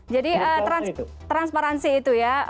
jadi transparansi itu ya